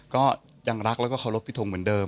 ก็ยังรักแล้วก็เคารพพี่ทงเหมือนเดิม